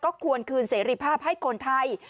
ควรคืนเสรีภาพให้คนไทย